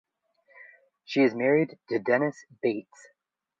She is married to Dennis Bates.